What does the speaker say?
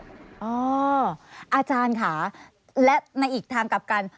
อาจารย์ค่ะและในอีกทางกลับกัน